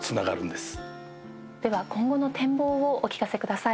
では今後の展望をお聞かせください。